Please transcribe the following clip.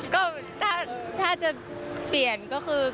ก็ถ้าจะเปลี่ยนก็คือ